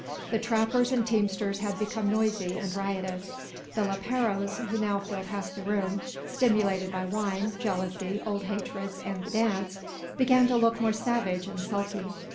The trappers and teamsters had become noisy and riotous. The leperos, who now half filled the room, stimulated by wine, jealousy, old hatreds, and the dance, began to look more savage and sulky.